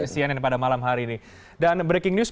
cnn pada malam hari ini dan breaking news